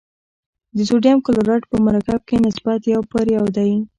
د سوډیم کلورایډ په مرکب کې نسبت یو پر یو دی.